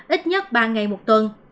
ít nhất ba ngày một tuần